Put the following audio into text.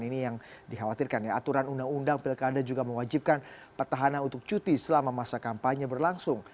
ini yang dikhawatirkan ya aturan undang undang pilkada juga mewajibkan petahana untuk cuti selama masa kampanye berlangsung